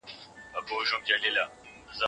او تر اوسه مي نه مادي